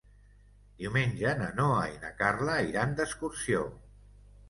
Diumenge na Noa i na Carla iran d'excursió.